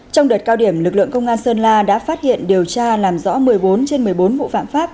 trong đợt cao điểm lực lượng công an sơn la đã phát hiện điều tra làm rõ một mươi bốn trên một mươi bốn vụ phạm pháp